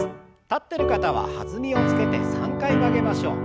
立ってる方は弾みをつけて３回曲げましょう。